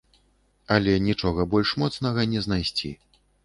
Але нічога больш моцнага не знайсці.